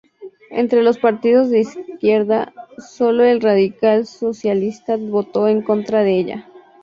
Entre los partidos de izquierda, solo el Radical Socialista votó en contra de ella.